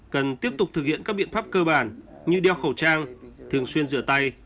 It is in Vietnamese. cần tiếp tục thực hiện các biện pháp cơ bản như đeo khẩu trang thường xuyên rửa tay